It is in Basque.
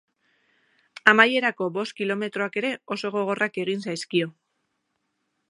Amaierako bost kilometroak ere oso gogorrak egin zaizkio.